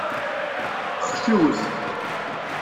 Xciwet.